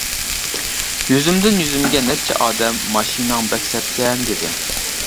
يۈزۈمدىن يۈزۈمگە نەچچە ئادەم ماشىناڭ بەك سەتكەن دېدى.